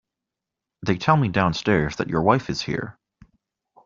They tell me downstairs that your wife is here.